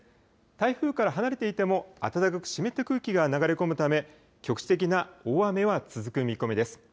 台風から離れていても暖かく湿った空気が流れ込むため局地的な大雨は続く見込みです。